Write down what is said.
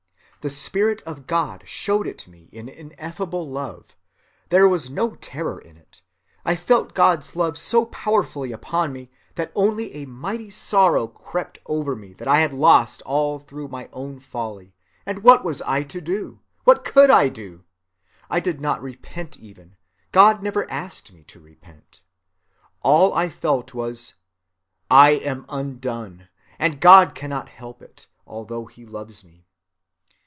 The Spirit of God showed it me in ineffable love; there was no terror in it; I felt God's love so powerfully upon me that only a mighty sorrow crept over me that I had lost all through my own folly; and what was I to do? What could I do? I did not repent even; God never asked me to repent. All I felt was 'I am undone,' and God cannot help it, although he loves me.